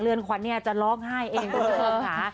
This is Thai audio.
เรือนขวัญเนี่ยจะร้องไห้เองค่ะ